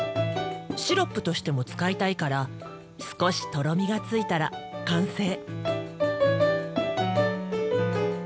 シロップとしても使いたいから少しとろみがついたら完成。